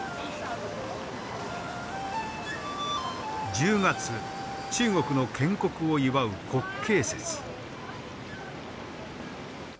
１０月中国の建国を祝う国慶節。